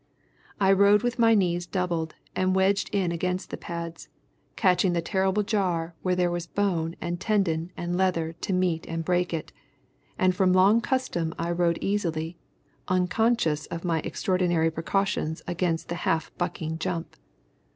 I rode with my knees doubled and wedged in against the pads, catching the terrible jar where there was bone and tendon and leather to meet and break it, and from long custom I rode easily, unconscious of my extraordinary precautions against the half bucking jump.